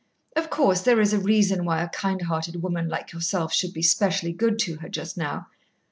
Of course there is a reason why a kind hearted woman like yourself should be specially good to her just now.